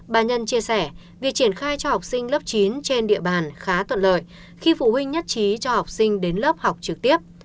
bà nhân chia sẻ việc triển khai cho học sinh lớp chín trên địa bàn khá thuận lợi khi phụ huynh nhất trí cho học sinh đến lớp học trực tiếp